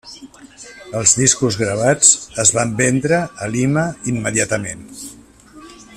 Els discos gravats es van vendre a Lima immediatament.